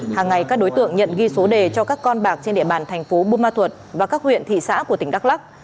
hàng ngày các đối tượng nhận ghi số đề cho các con bạc trên địa bàn thành phố bô ma thuật và các huyện thị xã của tỉnh đắk lắc